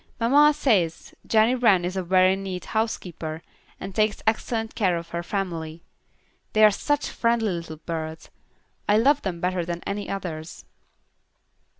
Mamma says Jenny Wren is a very neat housekeeper, and takes excellent care of her family. They are such friendly little birds. I love them better than any others."